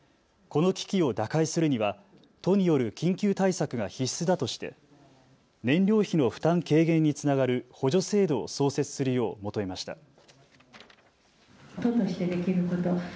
この危機を打開するには都による緊急対策が必須だとして燃料費の負担軽減につながる補助制度を創設するよう求めました。